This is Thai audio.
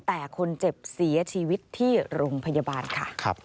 แต่คนเจ็บเสียชีวิตที่โรงพยาบาลค่ะ